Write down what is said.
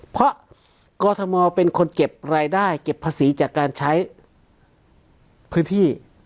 เพราะกรทมเป็นคนเก็บรายได้เก็บภาษีจากการใช้พื้นที่